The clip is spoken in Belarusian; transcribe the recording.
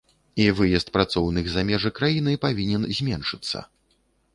І выезд працоўных за межы краіны павінен зменшыцца.